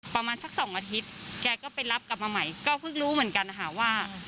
ประมาณสักสองอาทิตย์แกก็ไปรับกลับมาใหม่ก็เพิ่งรู้เหมือนกันนะคะว่า